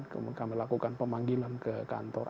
kami lakukan pemanggilan ke kantor